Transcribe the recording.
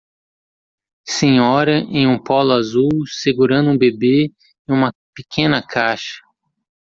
Senhora em um polo azul segurando um bebê e uma pequena caixa.